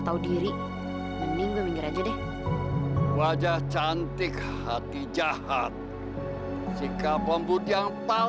sampai jumpa di video selanjutnya